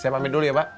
saya pamit dulu ya pak